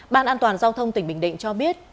ban an toàn giao thông tỉnh bình định cho biết